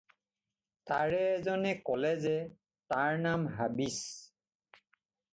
তাৰে এজনে ক'লে যে, তাৰ নাম হাবিচ।